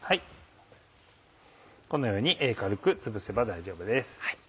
このように軽くつぶせば大丈夫です。